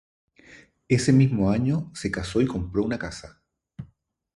Ese mismo año se casó y compró una casa.